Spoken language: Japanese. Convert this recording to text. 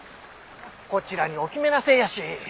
こちらにお決めなせえやし。